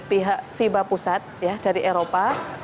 pihak fiba pusat dari eropa